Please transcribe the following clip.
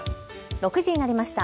６時になりました。